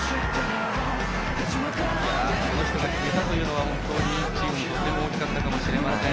この人が決めたというのは本当にチームにとっても大きかったかもしれません。